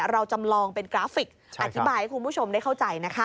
เราจำลองเป็นกราฟิกอธิบายให้คุณผู้ชมได้เข้าใจนะคะ